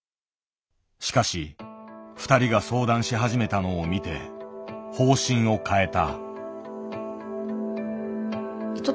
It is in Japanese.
しかし２人が相談し始めたのを見て方針を変えた。